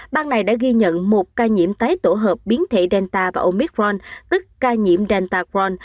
bang này đã ghi nhận một ca nhiễm tái tổ hợp biến thể delta và omicron tức ca nhiễm delta cron